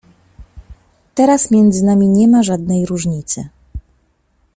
Teraz między nami nie ma żadnej różnicy.